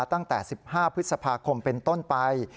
ตั้งแต่๑๕พฤษภาคมเป็นต้นไป